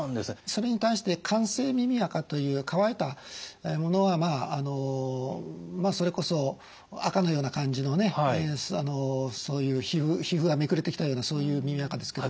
それに対して乾性耳あかという乾いたものはそれこそあかのような感じのそういう皮膚がめくれてきたようなそういう耳あかですけれども。